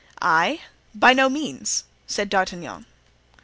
"I? By no means!" said D'Artagnan.